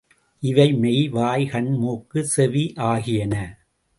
இவை மெய், வாய், கண், மூக்கு, செவி ஆகியன.